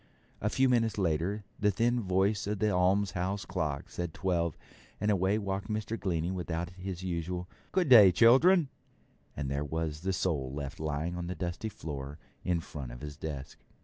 A few minutes later the thin voice of the almshouse clock said twelve, and away walked Mr. Glennie without his usual 'Good day, children', and there was the sole left lying on the dusty floor in front of his desk.